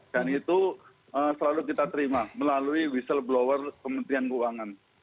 dan itu selalu kita terima melalui whistleblower kementerian keuangan